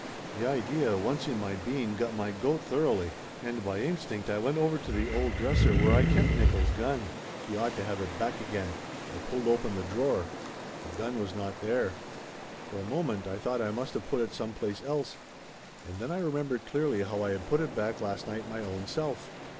The idea, once in my bean, got my goat thoroughly, and by instinct I went over to the old dresser where I kept Nickolls' gun. He ought to have it back again. I pulled open the drawer. The gun was not there. For a moment I thought I must of put it some place else, and then I remembered clearly how I had put it back last night my own self.